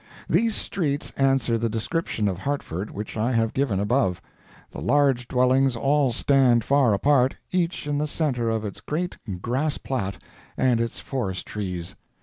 These streets answer the description of Hartford which I have given above. The large dwellings all stand far apart, each in the centre of its great grass plat and its forest trees.